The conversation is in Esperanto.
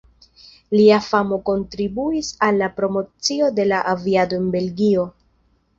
Lia famo kontribuis al la promocio de la aviado en Belgio.